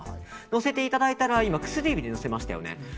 のせていただいたら今、薬指でのせましたよね。